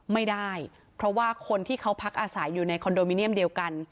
ไม่ได้เพราะว่าคนที่เขาพักอาศัยอยู่ในคอนโดมิเนียมเดียวกัน